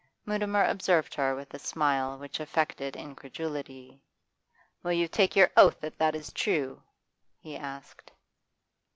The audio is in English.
Mutimer observed her with a smile which affected incredulity. 'Will you take your oath that that is true?' he asked.